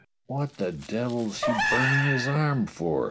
"What the devil's he burning his arm for.